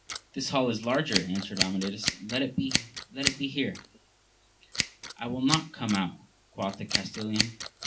This hall is larger, answered Amadis : let it be here. I will not come out, quoth the Castellan.